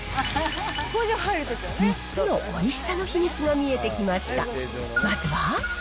３つのおいしさの秘密が見えてきました。